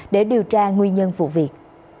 để điều tra nguyên nhân vụ việc